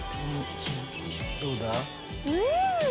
うん！